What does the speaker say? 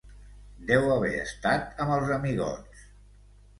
Deu haver estat amb els amigots!